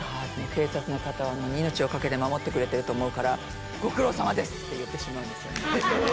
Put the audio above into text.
警察の方は命を懸けて守ってくれてると思うから「ご苦労さまです！」って言ってしまうんですよね。